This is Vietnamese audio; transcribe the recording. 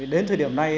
đến thời điểm này